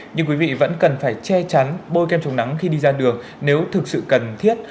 nhưng quý vị vẫn cần phải che chắn bôi kem chống nắng khi đi ra đường nếu thực sự cần thiết